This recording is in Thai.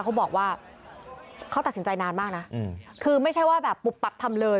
เขาบอกว่าเขาตัดสินใจนานมากนะคือไม่ใช่ว่าแบบปุบปับทำเลย